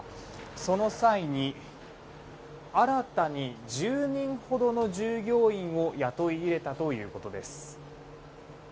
その際に新たに１０人ほどの従業員を雇い入れたということです。